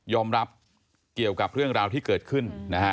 รับเกี่ยวกับเรื่องราวที่เกิดขึ้นนะฮะ